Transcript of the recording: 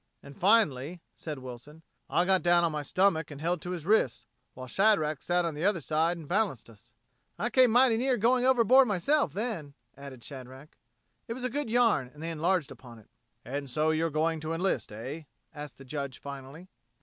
"And finally," said Wilson, "I got down on my stomach and held to his wrists, while Shadrack sat on the other side and balanced us." "I came mighty near going overboard myself, then," added Shadrack. It was a good yarn, and they enlarged upon it. "And so you're going to enlist, eh?" asked the Judge finally.